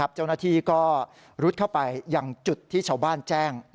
เจ้าหน้าที่ก็รุดเข้าไปยังจุดที่ชาวบ้านแจ้ง